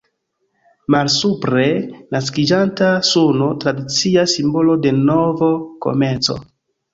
Malsupre, naskiĝanta suno, tradicia simbolo de novo komenco.